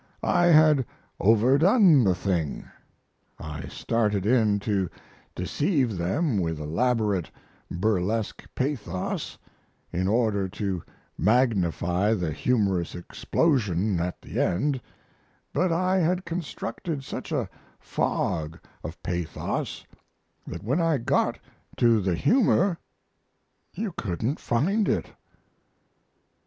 I had overdone the thing. I started in to deceive them with elaborate burlesque pathos, in order to magnify the humorous explosion at the end; but I had constructed such a fog of pathos that when I got to the humor you couldn't find it."